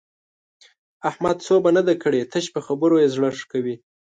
احمد سوبه نه ده کړې؛ تش په خبرو يې زړه ښه کوي.